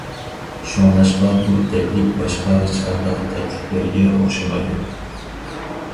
شۇڭلاشقا بۇ تەكلىپ باشقا ھېچ قانداق تەكلىپلەرگە ئوخشىمايدۇ.